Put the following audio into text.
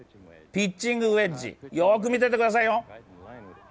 ピッチングウェッジ、よーく見ててくださいよ。